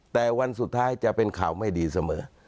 แต่วันสุดท้ายจะเป็นข่าวไม่ดีเสมอ